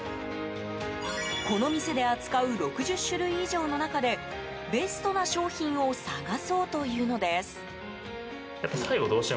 この店で扱う６０種類以上の中でベストな商品を探そうというのです。